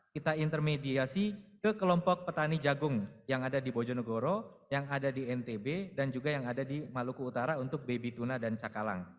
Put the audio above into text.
kita intermediasi ke kelompok petani jagung yang ada di bojonegoro yang ada di ntb dan juga yang ada di maluku utara untuk baby tuna dan cakalang